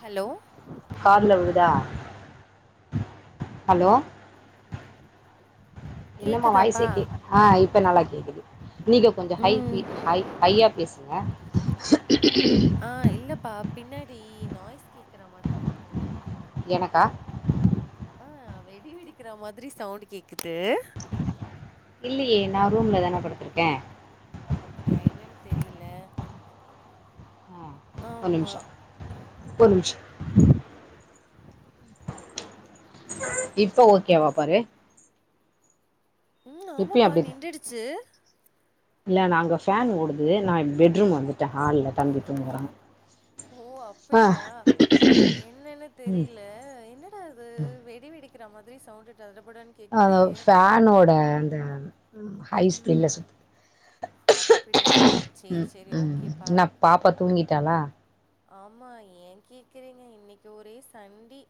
Hello காதுல விழுதா hello என்னமா கேக்குதாப்பா வாயசேகே ஆ இப்ப நல்லா கேக்குது நீங்க கொஞ்சோ ஹை ம் ஸ்பீ ஹை ஹையா பேசுங்க ஆ இல்லப்பா பின்னாடி நாய்ஸ் கேட்குற மாதிரி இருக்கு எனக்கா ஆ வெடி வெடிக்கிற மாதிரி சவுண்டு கேக்குது இல்லேயே நா ரூம்ல தான படுத்துருக்க அப்படியா என்னன் தெரில ஆ ஒரு ஆமா நிமிஷோ ஒரு நிமிஷ் இப்ப ஓகேவா பாரு ம் இப்பயும் ஆமாப்பா நின்றுடுச்சு இல்ல நா அங்க ஃபேன் ஓடுது நா பெட்ரூம் வந்துட்ட ஹால்ல தம்பி தூங்குறான் ஓ ஆ அப்படியா என்னன்னு ம் தெரில என்னடா இது வெடி வெடிக்கிற மாதிரி சவுண்டு டடபுடன் அதா ஃபேனோட அந்த ஹை ஸ்பீட்ல ம் சூத்து அப்படியா சேரி ம் சேரி ம் ஓகேப்பா என்னா பாப்பா தூங்கிட்டாலா ஆமா ஏன் கேக்குறீங்க இன்னிக்கு ஒரே சண்டி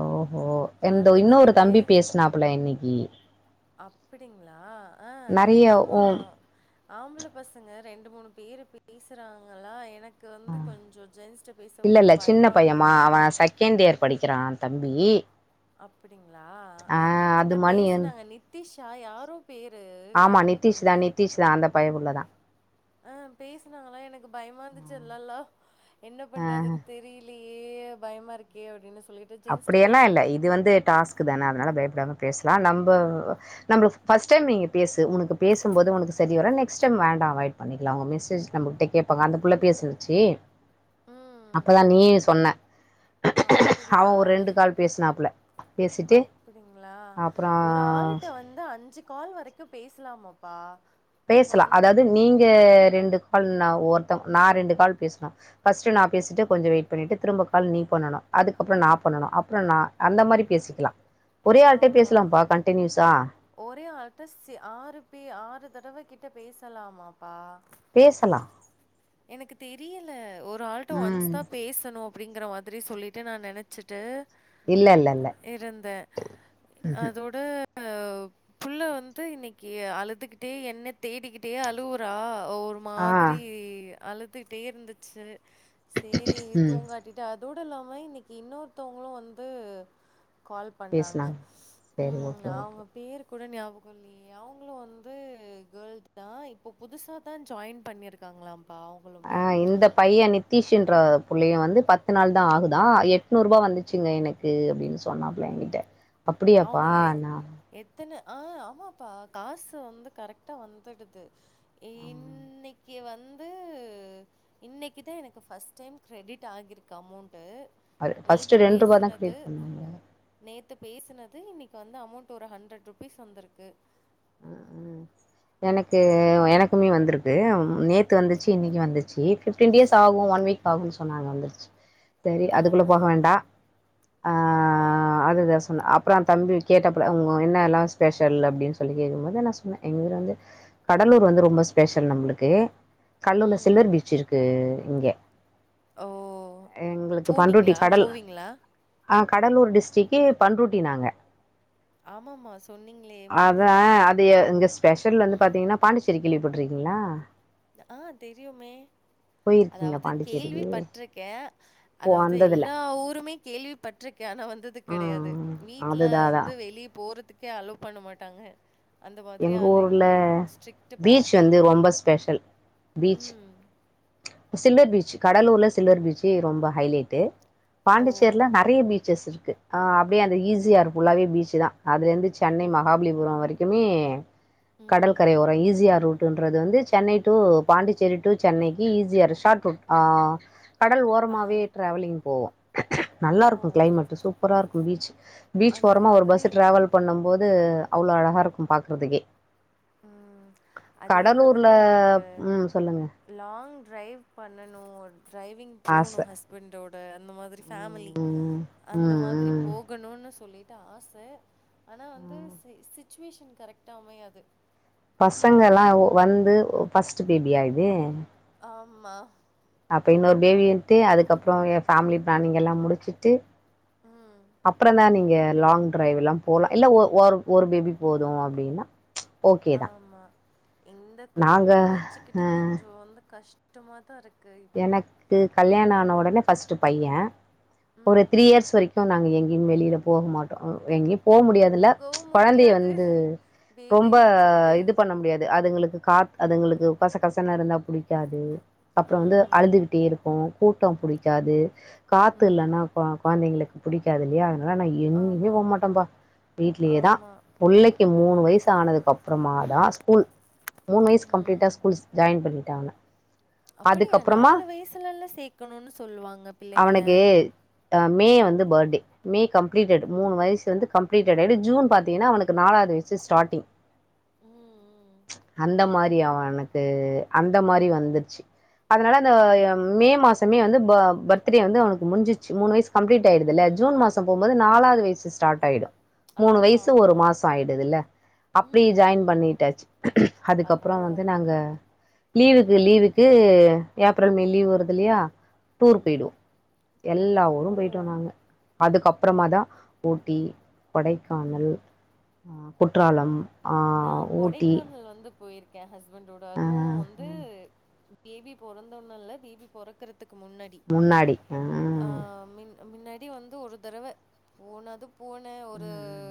ஓஹோ என்ட இன்னொரு அழுதுகிட்டு தம்பி பேசனாப்புல இன்னிக்கி அப்படிங்களா அ நெறைய ஆமா ஓ ஆம்பள பசங்க ரெண்டு மூணு பேரு பேசறாங்களா எனக் கு வந்து கொஞ்சோ ஜென்ஸ்ட்ட பேச கொஞ்சம் பயமா இருக்குமா செகண்டு இயர் படிக்கிறா தம்பி அப்டிங்களா ஆ அ அ அது என்ட்ட மணி பேசனாங்க நித்திஷா யாரோ பேரு ஞாபகோ இல்ல அ அந்த பயபுள்ள தா ஆ பேசுனாங்களா எனக்கு பயமா இருந்துச்சு அல்லல்லா என்ன பண்றதுன் தெரி லியே பயமா இருக்கே அப்டின்னு சொல்லி அப்படி எல்லா இல்ல இது வந்து டாஸ்க் தான அதனால பயப்படாம பேசலா நம்ப நம்பள ஃபஸ்ட் டைம் நீங்க பேசு உனக்கு பேசும்போது உனக்குசரிவர நெக்ஸ்ட் டைம் வேண்டா அவாய்ட் பண்ணிக்கல அவுங்க மெசேஜ்ல நம்பகிட்ட கேப் அப்ப அந்த புள்ள பேசிருச்சு அப்பதா நீயு சொன்ன அப் பிடியா அவன் ஒரு ரெண்டு கால் பேசினாப்புல பேசிட்டு அப்படிங்களா ஒரு அப்புறம் ஆளுட்ட வந் து அஞ்சு கால் வரைக்கு பேசலாமப்பா பேசலா அதாவது நீங்க ரெண்டு கால் அ ஒருத்தவுங்க நா ரெண்டு கால் பேசனு ஃபஸ்ட்டு நா பேசிட்டு கொஞ்சோ வெயிட் பண்ணிட்டு திரும்ப கால் நீ பண்ணனு அதுக்கப்புறோ நா பண்ணனு அப்புறோ நா அந்த மாரி பேசிக்கலா ஒரே ஆள்ட ஆமா. பேசலாம்ப்பா கண்டினியூஸா ஒரே ஆல்ட்ட சி ஆறு பே ஆறு தடவ கிட்ட பேசலாமாப்பா பேசலா எனக்கு தெரியல ஒரு ஆள்ட்ட ஒன்ஸ் ம். தா பேசணு அப்டிங்கிற மாதிரி சொல்லிட்டு நா நெனச்சிட்டு இல்ல, இல்ல, இல்ல. இருந்த அதோட ஒ புள்ள வந்து இன்னக்கி அலுதுகிட்டே என்ன தேடிக்கிட்டே அலுவுறா ஒரு ஆ. மாத்ரி அழுதுட்டே இருந்துச்சு சேரி ம். தூங்காட்டி அதோட இல்லாம இன்னிக்கி இன்னொருத்தவங்களு வந்து கால் பண்ணாங்க பேசுனாங்க. சரி ம் ஓகே, ஓகே. அவங் பேரு கூட ஞாபகம் இல்லையே அவுங்களும் வந்து கேள்தா இப்போ புதுசாதா ஜாயின் பண்ணிருக்காங்களா பாவோ ஆ இந்த பையே நித் தீஷ் என்ற புள்ளையும் வந்து பத்து நாள்தா ஆகுதா எட்நூரூபா வந்துச்சுங்க எனுக்கு அப்டின் சொ சொன்னாப்ல ஏங்கிட்ட அவுங்க எ எத்தன ஆ ஆமாப்பா காசு வந்து கரெக்டா வந்துடுது இன்னக்கீ வந்து இன்னக்கிதா எனக்கு ஃபர்ஸ்ட் டைம் கிரிடிட் ஆகிருக்கு அமௌண்ட்டு அ ஃபர்ஸ்ட்டு நேத்து ரூ. தான் பேசுனது கிரெடிட் பண்ணாங்க. நேத்து பேசுனது இன்னக்கி வந்து அமௌண்ட்டு ஒரு ஹண்ட்ரட் ருபீஸ் வந்துருக்கு ம் ம் எனக்கு எனக்குமே வந்திருக்கு நேத்து வந்துச்சு இன்னிக்கு வந்துச்சு ஃபிஃப்டீன் டேஸ் ஆகும் ஒன் வீக் ஆகும் சொன்னாங்க வந்துருச்சு செரி அதுக்குள்ள ஆமா போக வேண்டா ஆ ஆமா அதுக்தா சொன்னே அப் ப்றோ தம்பி கேட்டாப்ல அவுங்க என்னெல்லா ஸ்பெஷல் அப்டின்னு சொல்லி கேட்கும் போது நா சொன்னே எங்க ஊர் வந்து கடலூர் வந்து ரொம்ப ஸ்பெஷல் நம்மளுக்கு கல்லுல ம் சில்வர் பீச் இருக்கு இங்க ஓ எங்களுக்கு பண்ரொட்டி போனீங்களா கடல் போவீங்களா ஆ கடலூர் டிஸ்ட்டிரிக்கு பண்ருட்டி நாங்க ஆமாமா சொன்னீங்ளே அதா அது எ இங்க ஸ்பெஷல் வந்து பாத்தீங்கன்னா பாண்டிச்சேரி கேள்வி பட்ருக்கீங்ளா ஆ தெரியுமே போயிருக்கீங்களா அதாவ்து கேள்வி பாண்டிச்சேரிக்கு பட்ருக்கே போ அதாவ்து வந்ததில்ல எல்லா ஊருமே கேள்வி பட்ருக்கே வந்தது ஆ கிடையாது வீட்ல அதுதா அதா வந்து வெளிய போறதுக் கே அலோ பண்ண மாட்டாங்க அந்த மாதிரி ஆளு இங் ஸ்ட்ரிட்டுப்பா இது ரொம்ப ஸ்பெஷல் பீச் சில்வர் பீச்சு கடலூர்ல சில்வர் பீச்சி ரொம்ப ஹைலைட்டு ஓ! பாண்டிச்சேர்ல நெறைய பீச் பீச்சர்ஸ் இருக்கு ஆ அப்டியே அந்த ஈ ஸி யார் ஃபுல்லாவே பீச்சுதா அதுலருந்து சென்னை மகாபலிபுரோ வரக்குமே ம். கடல்கரையோரோ ஈ ஸி யார் ரூட் டொல்றது வந்து சென்னை ட்டூ பாண்டிச்சேரி ட்டூ சென்னைக்கி E C R short route ஆ கடல் ஆ. ஓரமாவே டிரேவலிங் போவோ ஓ! நல்லாருக்கும் கிளைமேட்டு சூப்பராருக்கும் பீச்சு பீச் அந்த ஓரமா ஒரு பஸ்சு மாதிரி டிராவல் பண்ணும் போது அவ்ளோ அழகாருக்கும் பாக்றதுக்கே ம் அதே கடலூர்ல மாதிரி எனக்கு உம் சொல்லுங்க லாங் ட்ரைவ் பண்ணனு ட்ரைவிங் ஆச போணும் ஹஸ்பண்டோட இந்த மாதிரி ஃபேம்மிலி ம் அந்த ம் மாதிரி போகணும்னு சொல்லி ட்டா ஆச ஆனா வந்து ம் சிச்சுவேஷன் கரெக்டா அமையாது பசங்கெல்லா வந்து ஃபர்ஸ்ட்டு பேபியா இது ஆம்மா அப்ப இன்னொரு பேபின்ட்டு அதுக்கப்புறோ ஃபேம்லி பிளானிங்கல்லா முடிச்சுட்டு ம் அப்றம்தா நீங்க லாங் ட்ரைவ்லாம் போலா இல்ல ஒ ஒரு ஒரு பேபி போது அப்டினா ஆமா இந்த நாங்க குட்டிய அ வச்சுக்கிட்டு கொஞ்சோ வந்து கஷ் டமா தா இருக்கு எனக்கு கல்யாணான உடனே ஃபஸ்ட் பைய ஒரு ம் த்ரீ இயர்ஸ் வரைக்கு நாங்க எங்கயு வெளில போக மாட்டோ எங்கயு போக முடியாதுல போகவு கொழந்தைய முடியாது வந்து பேபிய ரொம்ப வச்சுக்கிட்டு இது பண்ண முடியாது அதுங்களுக்கு காத் அதுங்களுக்கு கச கச ன்னு இருந்தா புடிக்காது அப்றோ வந்து ம் அழுதுகிட்டே இருக்கு கூட்டோ புடிக்காது காத்து ம் இல்லனா கொழந்தைங்களுக்கு புடிக்காது இல்லயா அதனால நா எங்கயு ஆமா போக மாட்டே பா வீட்லயே தா ஆமா புள்ளைக்கு மூணு வயசு ஆனதுக்கு அப்றோமா தா ஸ்கூல் மூணு வயசு கம்ப்ளீட்டா ம். ஸ்கூல்ஸ் ஜாயின் பண்ணிட்டாங்க அப்டியா அதுக்கப்புறமா நாலு வயசுலல்லா சேக்கணுன்னு சொல்லுவாங்க பிள்ளைங்கள அவனுக்கு மே வந்து பர்டே மே கம்ப்ளீடட் மூணு வயசு வந்து கம்ப்ளீடட்டு ஜூன் பாத்தீங்கன்னா அவக்கு நாலாவது வயசு ஸ்டாடிங் [inaudible] ம் ம் ம் அந்த மாரி அவனுக்கு அந்த மாரி வந்துச்சு அதனால அந்த மே மாசமே வந்து ப பர்த்டே வந்து அவக்கு முஞ்சிச்சு மூணு வயசு கம்ப்ளீட் ம், ஆயிடுதுல்ல ஜூன் ம். மாசோ போகு போது நாலாது வயசு ஸ்டார்ட் ஆயிடு மூணு ஆமா, வயசு ஆமா. ஒரு மாச ஆயிடுதுல்ல அப்டி ம், ம், ஜாயின் ம். பண்ணிட்டாச்சு ஆ, அதுக்கப்பறோ ஓ! வந்து நாங்க லீவுக்கு ம், லீவுக்கு ஏப்ரல் மே லீவ் வருது இல்லயா டூர் ம். போயிடுவோ எல்லா ஓ! ஊரும் போயிட்டோ நாங்க அதுக்கப்பறமா தா ஊட்டி கொடைக்கானல் ம். குற்றாலம் ஆ நா ஊட்டி கொடைக்கானல் வந்து போயிருக்கே ஹஸ்பண்டோட ஆ அது வந்து பேபி பொறந்தொன்ன இல்ல பேபி பொறக்கறதுக்கு முன்னாடி முன்னாடி அ அ மின்னாடி வந்து ஒரு தரவ போனது போனே ஒரு ம்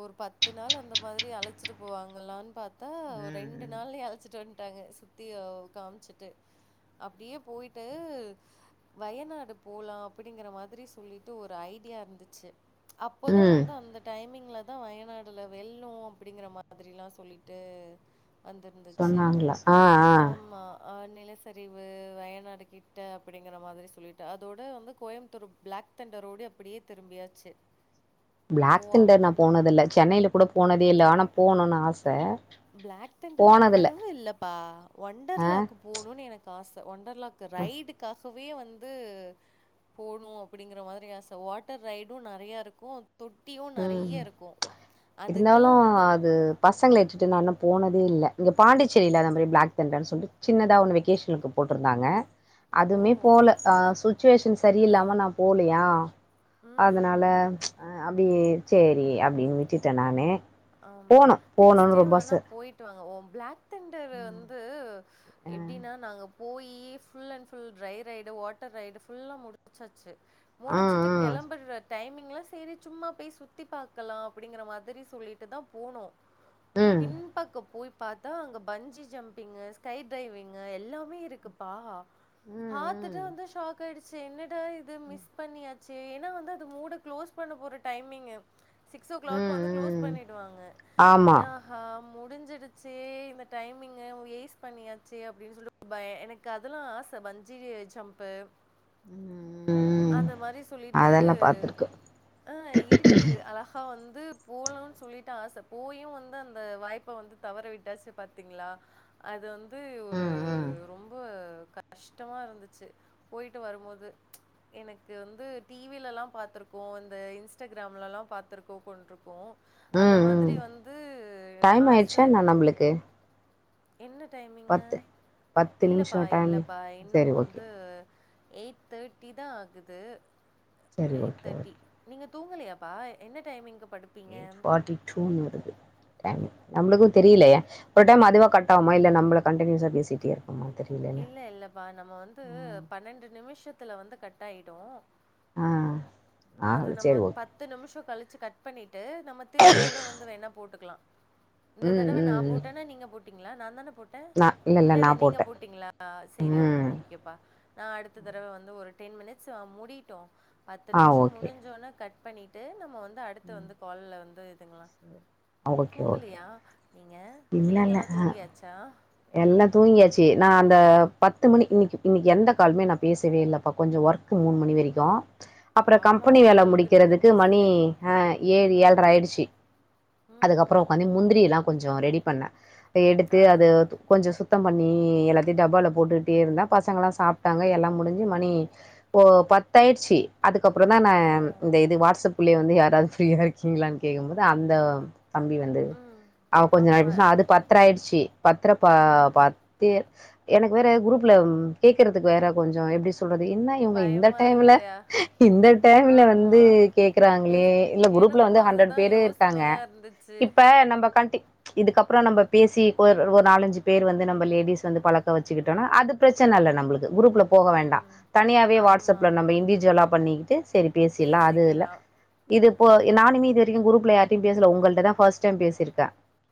ஒரு பத்து நாள் அந்த மாரி அழச்சிட்டு போவாங்களான்னு பாத்தா ஒரு ரெண்டு ம் நாள்ல அழச்சிட்டு வ விட்டாங்க சுத்திய காம்ச்சுட்டு அப்டியே போயிட்டு வயநாடு போலா அப்டிங்கற மாரி சொல்லிட்டு ஒரு ஐடியா இருந்துச்சு அப்போதா ம் வந்து அந்த டைமிங்ல தா வயநாடுல வெள்ளோ அப்டிங்கற மாதிரில்லா சொல்லிட்டு வந்துருந்துச்சு சொன்னாங்களா ஆ ஆ ஆமா அ நிலசரிவு வயநாடுகிட்ட அப்டிங்கற மாரி சொல்லிட்டு அதோட வந்து கோயமுத்தூர் பிளாக் தண்டரோடு அப்டியே திரும்பியாச்சு போ பிளாக் தண்டர் நா போனது இல்ல சென்னையல கூட போனதே இல்ல ஆனா போணுனு ஆச பிளாக் தெண்டர் அந்த போனதில்ல அளவு இல்லப்பா ஆ ஒண்டர்லாக்கு போணும்னு எனக் ஆச ஒண்டர்லாக்கு ரைடுக்கா இப்பவே வந்து போணு அப்டிங்கற மாரி ஆச வாட்டர் ரைடும் நறைய இருக்கு தொட்டியு ம் நறைய இருக்கு இருந்தாலு அதுக்ல்லா வந்து அது பசங்கள இட்டுட்டு நா போனதே இல்ல இங்க பாண்டிசேரில அத மாரி பிளாக் தண்டர்னு சொல்லிட்டு சின்னதா ஒரு வெகேஷனுக்கு போட்டிருந்தாங்க ஓ அதுமே போல அ சுச்சுவேஷன் சரியில்லாம நா போலயா ம் ம் அதனால ம் ச் அப்டயே சேரி அப்டின்னு விட்டுட்ட நானு ஆமா போனு நெக்ஸ்ட் போணுன்னு டைம் ரொம்ப வேணா ஆச போய் திட்டுவாங்க ஒ பிளாக் தண்டர் வந்து அ எப்டினா நாங்க போயி full and full dry ride water ride ஃபுல்லா முடிச்சாச்சு ஆ முடிச்சிட்டு ஆ கெளம்பிற் அ டைமிங்ல சேரி சும்மா போய் சுத்தி பாக்கலா அப்டிங்கிற மாரி சொல்லிட் டுதா போனோ ம் பின்பக்க போய் பாத்தா அங்க பஞ்சி ஜம்பிங்கு ஸ்கை ட்ரைவிங்கு எல்லாமே இருக்குப்பா ம் பாத்துட்டு ம் வந்து ஷாக் ஆயிடுச் சு என்னடா இது மிஸ் பண்ணியாச்சே ஏனா வந்து அது மூட கிளோஸ் பண்ண போற டைமிங்கு சிக்ஸ் ஓ கிளாக் ம் வந்து க்ளோஸ் ம் பண்ணிடுவாங்க ஆமா யா ஆ முடிஞ்சிடுச்சு இந்த டைமிங்க வேஸ் பண்ணியாச்சே அப்டின்னு சொல்டு பய எனக்கு அதெல்லா ஆச வஞ்ஜியே ஜம்ப்பு ம் ம் அந்த மாரி சொல்லிட்டு அதெல்லா பாத்துருக்கு ஆ ஹ இருக்குது அழகா அப்பா வந்து போலான் சொல்லிட்டு ஆச போயு வந்து அந்த வாய்ப்ப வந்து தவற விட்டாச்சு பாத்தீங்களா அது வந் து ஒரு ம் ம் ரொம்ப கஷ்டமா இருந்துச்சு போயிட்டு வருபோது எனக்கு வந்து டிவில எல்லா பாத்திருக்கோ இந்த இன்ஸ்டாகிராம்ல ல்லா பாத்திருக்கோ கொண்ருக்கோ அந்த ம் மாதிரி ம் வந்து டைம் ஆச ஆயிடுச்சா என்ன நம்பளுக்கு என்ன டைமிங்க பத்து பத்து நிமிஷோ இல்லப்பா டைம் இல்லப்பா இன்னு சரி ஓகே வந்து எயிட் தேட்டி தா ஆகுது சரி எயிட் ஓகே தேட்டி ஓகே நீங்க தூங்கலயாப்பா என்ன டைமிங்கு படு எய்ட் ஃபார்ட்டி டூன்னு வருது டைம் நம்மளுக்கு தெரியலயே ஒரு டைம் அதுவா கட்டாகுமா இல்ல நம்மளா கண்டினியூஸா பேசிட்டே இரு இல்ல இல்லப்பா நம்ம வந்து பன்னெண்டு நிமிஷத்துல வந்து கட் ஆயிடு ஆ ஆ அது நம்ம சேரி ஓகே பத்து நிமிஷோ கழிச்சு கட் பண்ணிட்டு நம்ம திரும்ப கூட வந்து வேணா போட்டுக்கலா இந்த ம் தடவ நா ம் ம் போட்டேனா நீங்க போட்டீங்களா நாந்தான போட் டே நா இல்ல நா இல்ல நீங்க போட்டே போட்டீங்களா செரி ம் ஓகே ஓகேப்பா நா அடுத்த தடவ வந்து ஒரு டென் மினிட்ஸ் அ முடியட்டு பத்து ஆ நிமிஷோ ஓகே முடிஞ்சோன கட் பண்ணிட்டு நம்ம வந்து அடுத்து ம் வந்து கால்ல வந்து இதுங்களா சரி ஓகே ஓகே தூங்கலியா நீங்க இல்ல இல்ல பிள்ளைங்கல்லா தூங்கியாச்சா எல்லா தூங்கியாச்சு நா அந்த பத்து மணி இன்னிக்கி இன்னிக்கி எந்த காலுமே நா பேசவே இல்லப்பா கொஞ்ச ஒர்க் கு மூணு மணி வரைக்கு அப்பறோ ஆமா, கம்பெனி வேல உங்களுக்கு நீங்க முடிக்கிறதுக்கு பிஸி மணி அ ஏழு ஏழ் ர ம். ஆயிடுச்சு ம், அதுக்கப்பறோ ம். உக்காந்து முந்திரி எல்லா கொஞ்சோ ரெடி பண்ணே அத ஆ. எடுத்து அது து கொஞ்சோ சுத்தம் பண்ணி எல்லாத்தையு டப்பால போட்டுட்டே இருந்தா பசங்க எல்லா சாப்டாங்க எல்லா முடிஞ்சு மணி ஓ பத்தாயிடுச்சி அதுக்கப்பறோ தா நா ஓ! இந்த இது வாட்ஸ்சப் உள்ளே வந்து யாராவது ஃப்ரீயா இருக்கீங்களான்னு கேக்குபோது அந்த தம்பி வ ந்து ம். அவ கொஞ்ச ஆமா. ஆயிருச்சனா அது பத்தர ஆயிடுச்சு பத்தர ப ம். பட் தியே எனக்கு வேற குரூப்ல ம் கேக்குறதுக்கு வேற கொஞ்சோ எப்டி சொல்றது என்ன இவுங்க இந்த பயமா டைம்ல இருக்கு. இந்த டைம்ல ஆமா வந்து கேக்குறாங்களே பேஸ் இல்ல குரூப்ல எனக்கு வந்து ஹண்ட்ரட் அதுதா பேரு இருக்காங்க யோசனையா இருந்துச்சு இப்ப நம்ம கண்டி இதுக்கப்பறோ நம்ம பேசி ஒரு ரு ஒரு நாலஞ்சு பேரு வந்து நம்ம லேடிஸ் வந்து பழக்க வச்சுக்கிட்டோன அது பிரெச்சன இல்ல நம்மளுக்கு குரூப்ல போக வேண்டா ம் தனியாவே ஆமா வாட்ஸ்அப்ல நம்ம இண்டிவிஜுவலா பண்ணிக்கிட்டு செரி பேசிலா அது இல்ல பேசிக்கலா இது போ நானுமே இது வரைக்கு குரூப்ல யாரிட்டயு பேசல உங்கள்ட்ட தா ஃபஸ்ட் டைம் பேசிருக்கே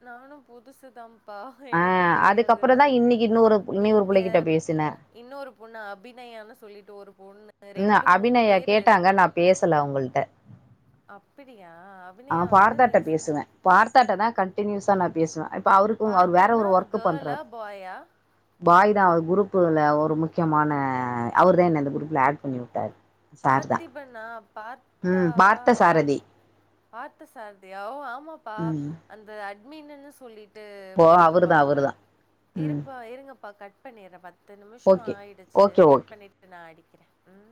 நானு புதுசு தம் ப்பா எனக்கு ஆஹ் தெரியாது அதுக்கப்புறம் உங் தான் இன்னைக்கு இன்னொரு இன்னொரு நீங்க பிள்ளைகிட்ட பேசினேன் இன்னொரு பொண்ணு அபிநயான்னு சொல்லிட்டு ஒரு பொண்ணு ரெண்டு இன்னும் மூணு அபிநயா பேரு கேட்டாங்க நான் பேசல அவுங்கள்ட்ட அப்பிடியா அபிநயா வந்து பார்த்தாட்ட பேசுன பேசுவேன் பார்த்தாட்ட தா கண்டினியூஸா நா பேசுவே இப்ப அவருக்கு அவர் வே ஆனா கேல்லா ஃபாயா பாய் தா அவர் குரூப்புல ஒரு முக்கியமான அவர் தா என்ன இந்த குரூப்ல ஆட் பண்ணி விட்டாரு சார் தான் பார்த்திபண்ணா ம் பார்த்தாவா பார்த்த சாரதி பார்த்த சாரதியா ஓ ஆமாப்பா ம் அந்த அட்மின்னின்னு சொல்லிட் ட்டு ஓ அவரு தான் அவரு போட்ருப்பாங்கல தான் ம் இருப்பா இருங்கப்பா கட் பண்ணிறே பத்து நிமிஷோ ஓகே ஆயிடுச்சு ஓகே ஓகே கட் பண்ணிட் ட்டு நா அடிக்கிறே ம்